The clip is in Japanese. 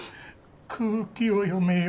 空気を読めよ。